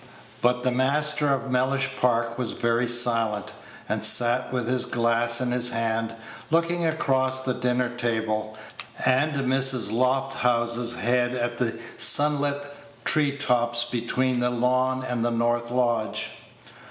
But the master of Mellish Park was very silent, and sat with his glass in his hand, looking across the dinner table and Mrs. Lofthouse's head at the sunlit tree tops between the lawn and the north lodge.